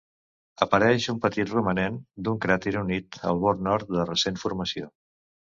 Apareix un petit romanent d'un cràter unit al bord nord de recent formació.